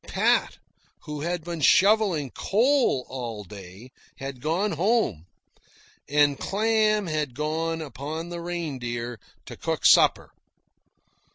Pat, who had been shovelling coal all day, had gone home, and Clam had gone upon the Reindeer to cook supper.